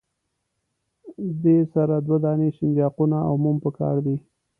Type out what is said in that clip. دې سره دوه دانې سنجاقونه او موم پکار دي.